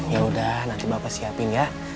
ya udah nanti bapak siapin ya